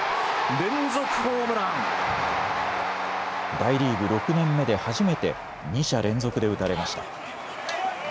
大リーグ６年目で初めて２者連続で打たれました。